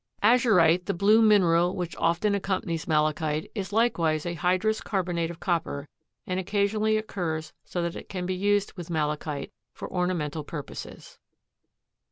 Azurite, the blue mineral which often accompanies malachite is likewise a hydrous carbonate of copper and occasionally occurs so that it can be used with malachite for ornamental purposes.